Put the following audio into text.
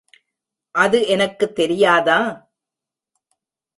அது எனக்குத் தெரியாதா?